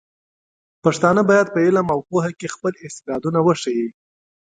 پښتانه بايد په علم او پوهه کې خپل استعدادونه وښيي.